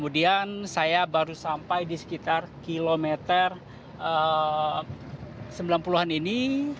dan saya baru sampai di sekitar kilometer sembilan puluh an ini